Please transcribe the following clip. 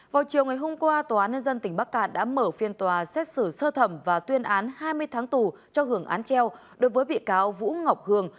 vào chiều ngày hôm qua tòa án nhân dân tỉnh bắc cạn đã mở phiên tòa xét xử sơ thẩm và tuyên án hai mươi tháng tù cho hưởng án treo đối với bị cáo vũ ngọc hường